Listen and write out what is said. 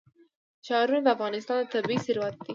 ښارونه د افغانستان طبعي ثروت دی.